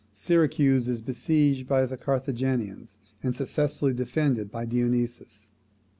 Syracuse is besieged by the Carthaginians, and successfully defended by Dionysius.